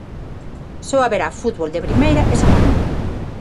Só haberá fútbol de primeira e segunda.